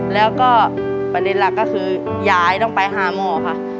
แล้วก็ประเด็นหลักก็คือยายต้องไปหาหมอค่ะ